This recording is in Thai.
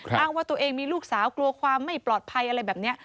อ้างว่าตัวเองมีลูกสาวกลัวความไม่ปลอดภัยอะไรแบบนี้